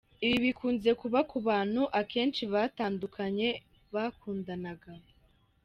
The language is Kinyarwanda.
Ibi bikunze kuba ku bantu akenshi batandukanye bakundanaga.